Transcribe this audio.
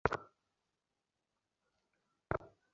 Barca coach Luis Enrique অবশ্য জানিয়েছেন, চোটটা তেমন গুরুতর কিছু নয়।